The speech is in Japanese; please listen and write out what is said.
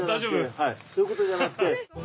はいそういうことじゃなくて。